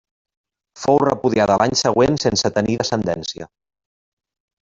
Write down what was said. Fou repudiada l'any següent sense tenir descendència.